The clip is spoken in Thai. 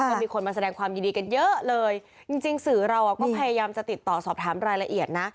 ก็มีคนมาแสดงความยินดีกันเยอะเลยจริงจริงสื่อเราก็พยายามจะติดต่อสอบถามรายละเอียดนะ